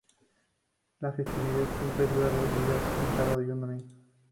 La festividad siempre dura dos días, un sábado y domingo.